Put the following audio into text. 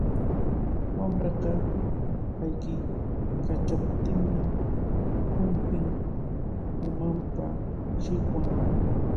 Wamra ayqiykachaptinmi humpin umanpa shikwamun.